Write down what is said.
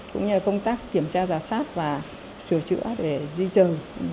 cũng như là công tác kiểm tra giả sát và sửa chữa để di dời